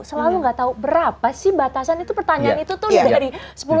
selalu gak tau berapa sih batasan itu pertanyaan itu tuh dari sepuluh tahun